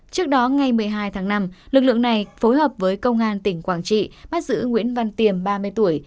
trước đó ngày một mươi hai tháng năm lực lượng này phối hợp với công an tỉnh quảng trị bắt giữ nguyễn văn tiềm ba mươi tuổi